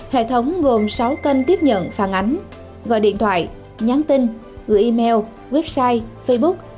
hệ thống gồm sáu kênh tiếp nhận phản ánh gọi điện thoại nhắn tin gửi email website facebook